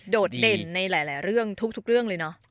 โดดเด่นในทุกเรื่องเลยนะ